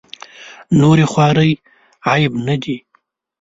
نورې خوارۍ عیب نه دي.